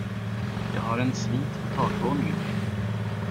Jag har en svit på takvåningen.